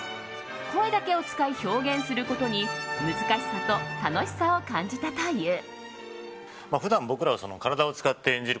声だけを使い表現することに難しさと楽しさを感じたという。